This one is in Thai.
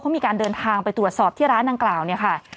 เขามีการเดินทางไปตรวจสอบที่ร้านดังกล่าวเนี่ยค่ะ